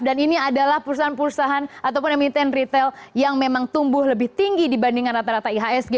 dan ini adalah perusahaan perusahaan ataupun yang memiliki retail yang memang tumbuh lebih tinggi dibandingkan rata rata ihsg